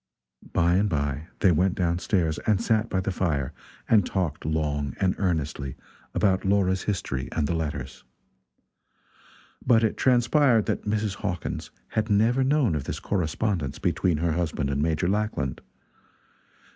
By and by they went down stairs and sat by the fire and talked long and earnestly about Laura's history and the letters. But it transpired that Mrs. Hawkins had never known of this correspondence between her husband and Major Lackland.